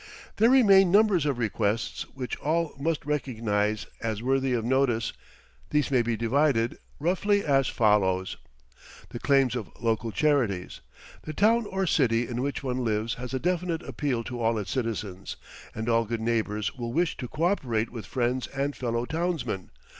There remain numbers of requests which all must recognize as worthy of notice. These may be divided, roughly, as follows: The claims of local charities. The town or city in which one lives has a definite appeal to all its citizens, and all good neighbours will wish to coöperate with friends and fellow townsmen.